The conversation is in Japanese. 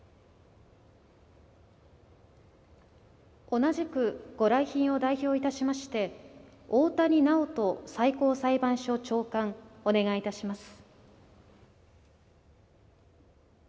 同じく御来賓を代表いたしまして大谷直人最高裁判所長官お願いいたします。